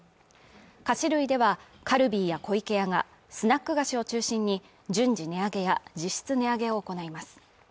菓子類ではカルビーや湖池屋がスナック菓子を中心に順次値上げや実質値上げを行います